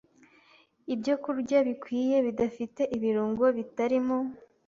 Ibyokurya bikwiriye, bidafite ibirungo, bitarimo